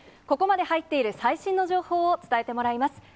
ここまで入っている最新の情報を伝えてもらいます。